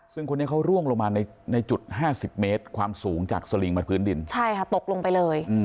ซึ่งคนนี้เขาร่วงลงมาในจุด๕๐เมตรความสูงจากสลิงมาพื้นดินใช่ค่ะตกลงไปเลย